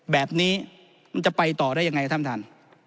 แบบนี้มันจะไปต่อได้ยังไงท่านท่าน